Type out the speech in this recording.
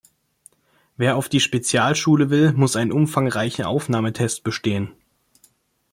Wer auf die Spezialschule will, muss einen umfangreichen Aufnahmetest bestehen.